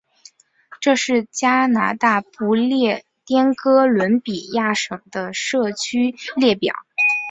这是加拿大不列颠哥伦比亚省的社区列表。